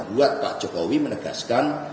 buat pak jokowi menegaskan